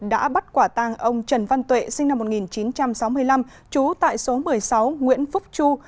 đã bắt quả tang ông trần văn tuệ sinh năm một nghìn chín trăm sáu mươi năm trú tại số một mươi sáu nguyễn phúc chu